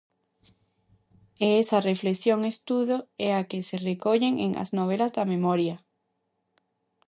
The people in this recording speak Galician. E esa reflexión-estudo é a que se recolle en "As novelas da memoria".